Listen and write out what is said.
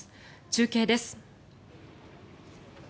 中継です。